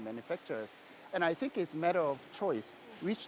dan saya pikir ini adalah masalah pilihan